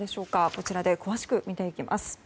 こちらで詳しく見ていきます。